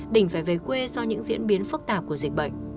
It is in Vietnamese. đình phải về quê do những diễn biến phức tạp của dịch bệnh